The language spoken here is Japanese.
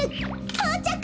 そうちゃく！